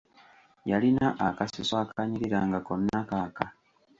Yalina akasusu akanyirira nga konna kaaka!